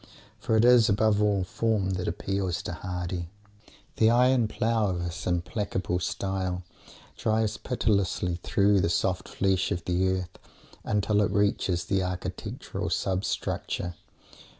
For it is, above all, Form that appeals to Mr. Hardy. The iron plough of his implacable style drives pitilessly through the soft flesh of the earth until it reaches the architectural sub structure.